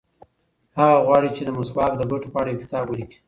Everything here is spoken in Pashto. هغه غواړي چې د مسواک د ګټو په اړه یو کتاب ولیکي.